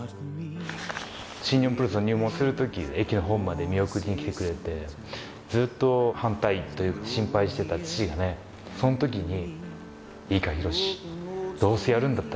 新日本プロレス入門する時駅のホームまで見送りに来てくれてずっと反対というか心配してた父がその時に「いいか弘至」。